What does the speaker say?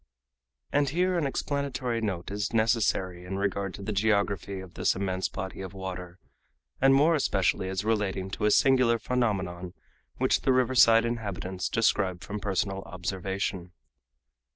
And here an explanatory note is necessary in regard to the geography of this immense body of water, and more especially as relating to a singular phenomenon which the riverside inhabitants describe from personal observation.